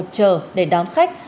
chờ để đám khách